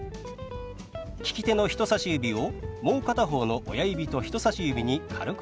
利き手の人さし指をもう片方の親指と人さし指に軽く当てます。